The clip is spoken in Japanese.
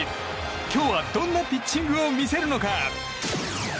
今日はどんなピッチングを見せるのか？